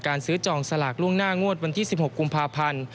ซื้อจองสลากล่วงหน้างวดวันที่๑๖กุมภาพันธ์